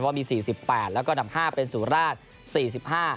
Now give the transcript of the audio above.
เพราะว่ามี๔๘แล้วก็ดำ๕เป็นสุราช๔๕